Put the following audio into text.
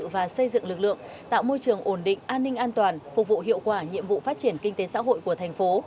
và xây dựng lực lượng tạo môi trường ổn định an ninh an toàn phục vụ hiệu quả nhiệm vụ phát triển kinh tế xã hội của thành phố